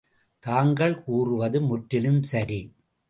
தாங்கள் கூறுவது முற்றிலும் சரி.